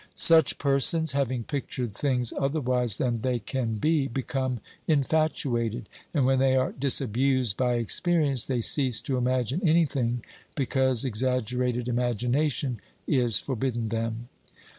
Such persons, having pictured things otherwise than they can be, become infatuated, and when they are disabused by experience, they cease to imagine anything because ex aggerated imagination is forbidden them.